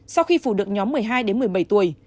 sau khi phủ được nhóm một mươi hai đến một mươi bảy tuổi